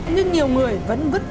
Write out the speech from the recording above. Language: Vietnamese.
nhưng nhiều người vẫn vứt vừa ngoài